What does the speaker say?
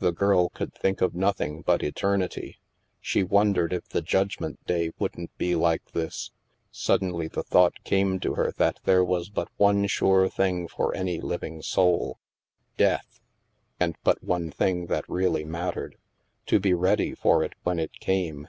The girl could think of nothing but Eternity. She wondered if the Judgment Day wouldn't be like this. Suddenly the thought came to her that there was but one sure thing for any living soul — Death ; and but one thing that really mattered — to be ready for it when it came.